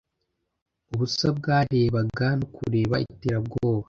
ubusa bwarebaga no kureba iterabwoba